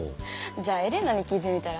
じゃあエレナに聞いてみたら？